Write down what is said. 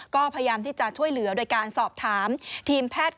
ก็พยายามที่จะช่วยเหลือโดยการสอบถามทีมแพทย์